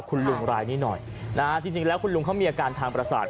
คุณลุงรายนี้หน่อยนะฮะจริงแล้วคุณลุงเขามีอาการทางประสาท